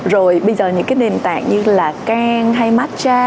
rồi bây giờ những nền tảng như là can hay match